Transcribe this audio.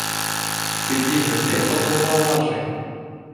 Чиртен мӗнле хӑтӑлмалла-ши?